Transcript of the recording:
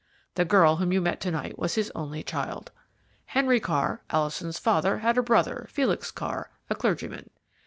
The girl whom you met to night was his only child. Henry Carr, Alison's father, had a brother, Felix Carr, a clergyman.